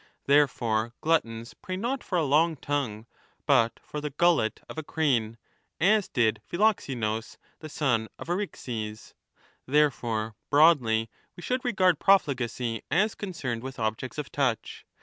Therefore gluttons pray not for BOOK III. 2 1231* a long tongue but for the gullet of a crane, as did Philoxenus, the son of Eryxis. Therefore, broadly, we should regard profligacy as concerned with objects of touch.